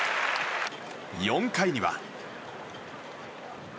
４回には。